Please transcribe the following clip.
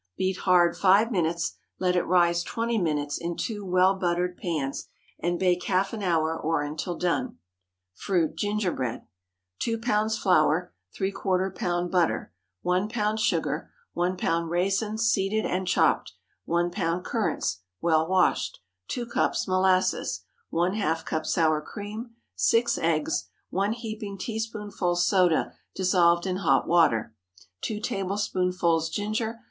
Beat hard five minutes, let it rise twenty minutes in two well buttered pans, and bake half an hour or until done. FRUIT GINGERBREAD. 2 lbs. flour. ¾ lb. butter. 1 lb. sugar. 1 lb. raisins, seeded and chopped. 1 lb. currants, well washed. 2 cups molasses. ½ cup sour cream. 6 eggs. 1 heaping teaspoonful soda dissolved in hot water. 2 tablespoonfuls ginger.